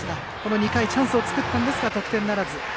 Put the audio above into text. ２回、チャンスを作りましたが得点ならず。